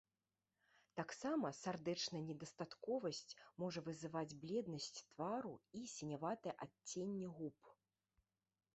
Таксама сардэчная недастатковасць можа вызываць бледнасць твару і сіняватае адценне губ.